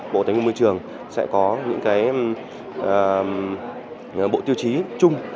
bộ thanh niên môi trường sẽ có những bộ tiêu chí chung